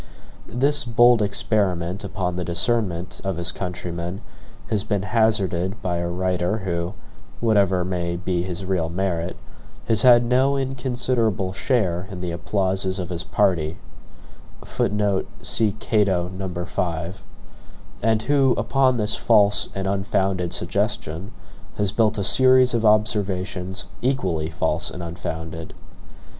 This bold experiment upon the discernment of his countrymen has been hazarded by a writer who (whatever may be his real merit) has had no inconsiderable share in the applauses of his party(1); and who, upon this false and unfounded suggestion, has built a series of observations equally false and unfounded.